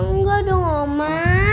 ya enggak dong oma